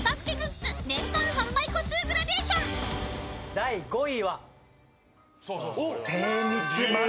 第５位は。